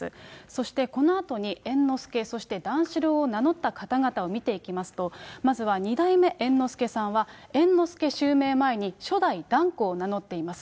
そしてこのあとに猿之助、そして段四郎を名乗った方々を見ていきますと、まずは二代目猿之助さんは、猿之助襲名前に、初代團子を名乗っています。